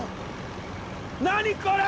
何これ！